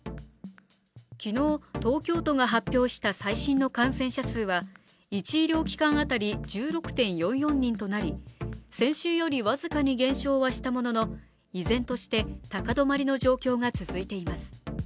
昨日、東京都が発表した最新の感染者数は１医療機関当たり１６．４４人となり先週より僅かに減少はしたものの、依然として高止まりの状況が続いています。